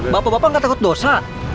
bapak bapak gak takut dosa